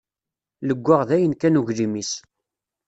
Leggaɣ dayen kan uglim-is.